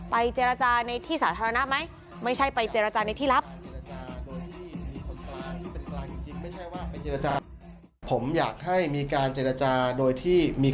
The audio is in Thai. ไปเจรจาในที่สาธารณะไหม